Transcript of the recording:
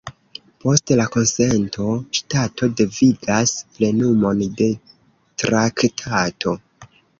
Post la konsento, ŝtato devigas plenumon de traktato.